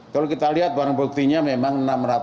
kalau kita lihat barang buktinya memang enam ratus enam puluh tiga